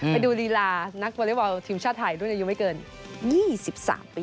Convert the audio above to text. ไปดูรีลานักบริวอลทีมชาติไทยรุ่นอายุไม่เกิน๒๓ปีก่อน